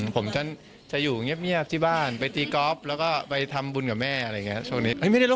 ผมจะอยู่เงียบที่บ้านไปตีกอล์ฟแล้วก็ไปทำบุญกับแม่อะไรอย่างนี้ช่วงนี้